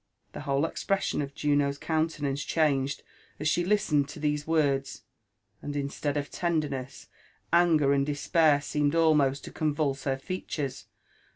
The whole expression of Juno's countenance changed as she listened to these words, and instead of tenderness, anger' and despair seemed almost to convulse her features.